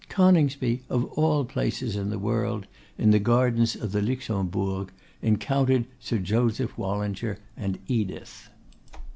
Coningsby, of all places in the world, in the gardens of the Luxembourg, encountered Sir Joseph Wallinger and Edith.